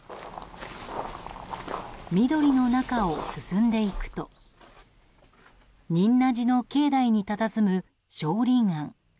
緑の中を進んでいくと仁和寺の境内にたたずむ松林庵。